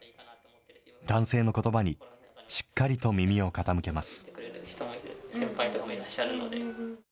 男性のことばにしっかりと耳を傾けます。